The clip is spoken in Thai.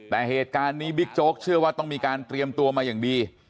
แต่เหตุการณ์นี้บิ๊กโจ๊กเชื่อว่าต้องมีการเตรียมตัวมาอย่างดี